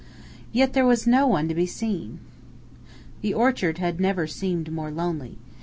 Yet there was no one to be seen. The orchard had never seemed more lonely.